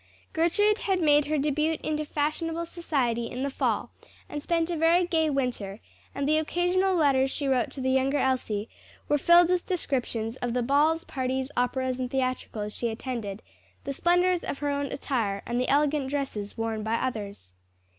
Gertrude had made her debut into fashionable society in the fall, and spent a very gay winter, and the occasional letters she wrote to the younger Elsie, were filled with descriptions of the balls, parties, operas and theatricals she attended, the splendors of her own attire, and the elegant dresses worn by others.